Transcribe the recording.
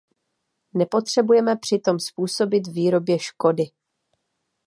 Nepotřebujeme přitom způsobit výrobě škody.